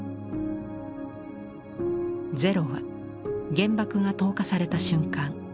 ０は原爆が投下された瞬間。